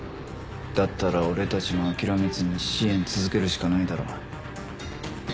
だったら俺たちも諦めずに支援続けるしかないだろ。